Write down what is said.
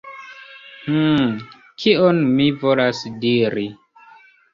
Hmm. Kion mi volas diri?